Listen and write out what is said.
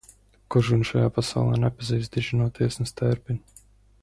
Kurš gan šajā pasaulē nepazīst diženo tiesnesi Tērpinu?